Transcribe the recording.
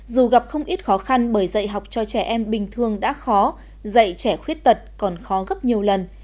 dù gặp không ít khó khăn bởi dạy học cho trẻ em bình thường đã khó dạy trẻ khuyết tật còn khó gấp nhiều lần